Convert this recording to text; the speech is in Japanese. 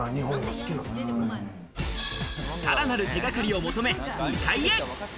さらなる手がかりを求め２階へ。